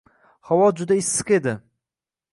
Havo juda issiq edi.